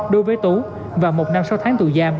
đối với tú và một năm sáu tháng tù giam